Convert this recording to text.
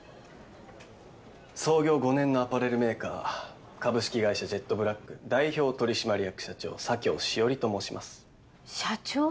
創業５年のアパレルメーカー株式会社ジェットブラック代表取締役社長佐京紫織と申します社長？